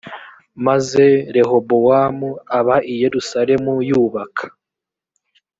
maze rehobowamu aba i yerusalemu yubaka